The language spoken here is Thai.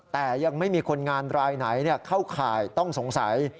แต่ยังไม่มีคนงานรายไหนเข้าข่ายต้องสงสัย